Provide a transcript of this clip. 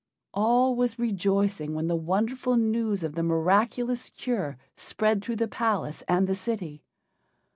All was rejoicing when the wonderful news of the miraculous cure spread through the palace and the city.